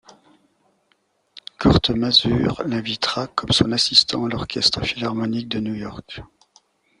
Kurt Masur l’invitera comme son assistant à l’Orchestre Philharmonique de New York.